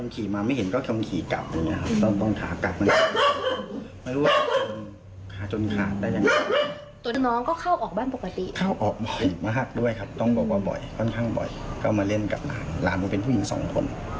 ก็มาเล่นกับหลานหลานมันเป็นผู้หญิงสองคน